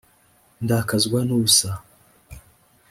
ndakazwa n’ubusa